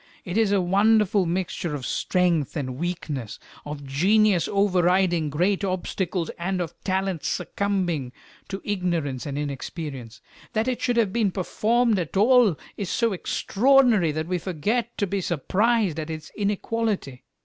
It is a wonderful mixture of strength and weakness, of genius overriding great obstacles and of talent succumbing to ignorance and inexperience. That it should have been performed at all is so extraordinary that we forget to be surprised at its inequality.